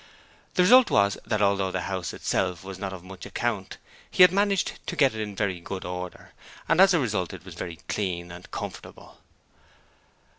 The result was that although the house itself was not of much account he had managed to get it into very good order, and as a result it was very clean and comfortable.